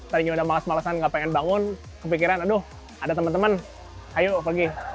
tadinya udah males malesan gak pengen bangun kepikiran aduh ada teman teman ayo pergi